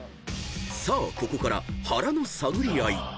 ［さあここから腹の探り合い］